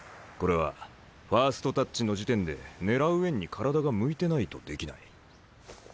これはファーストタッチの時点で狙う円に体が向いてないとできない。